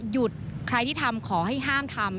หยุดใครที่ทำขอให้ห้ามทำ